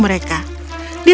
mereka mencintai mereka